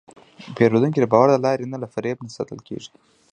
پیرودونکی د باور له لارې نه، له فریب نه ساتل کېږي.